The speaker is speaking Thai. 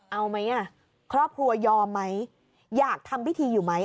เอาไหมอ่ะครอบครัวยอมไหมอยากทำพิธีอยู่ไหม